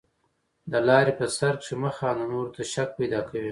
د لاري په سر کښي مه خانده، نورو ته شک پیدا کوې.